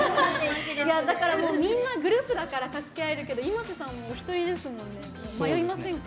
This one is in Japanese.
みんなグループだから助け合えるけどｉｍａｓｅさんもお一人ですもんね。